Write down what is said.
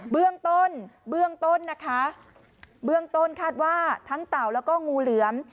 เบื้องต้นเบื้องต้นนะคะเบื้องต้นคาดว่าทั้งเต่าแล้วก็งูเหลือม